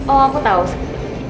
oh aku tau santi